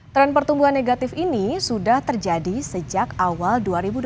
tren pertumbuhan negatif ini sudah terjadi sejak awal dua ribu dua puluh